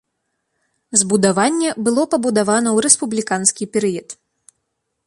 Збудаванне было пабудавана ў рэспубліканскі перыяд.